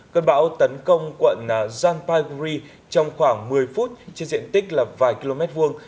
cơn bão tấn công quận zanpagri trong khoảng một mươi phút trên diện tích là vài km vuông